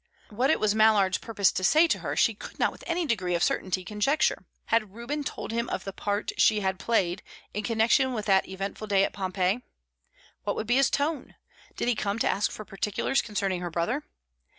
What it was Mallard's purpose to say to her she could not with any degree of certainty conjecture. Had Reuben told him of the part she had played in connection with that eventful day at Pompeii? What would be his tone? Did he come to ask for particulars concerning her brother?